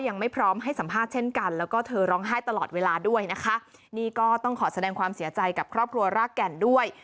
นะคะนี่ก็ต้องขอแสดงความเสียใจกับครอบครัวรากแก่นด้วย